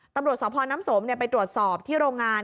ตำรวจสพน้ำสมไปตรวจสอบที่โรงงาน